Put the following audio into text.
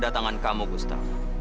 kedatangan kamu gusti